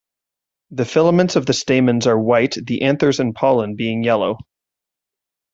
The filaments of the stamens are white, the anthers and pollen being yellow.